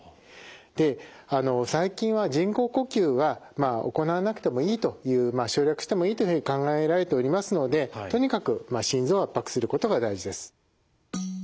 で最近は人工呼吸はまあ行わなくてもいいという省略してもいいというふうに考えられておりますのでとにかく心臓を圧迫することが大事です。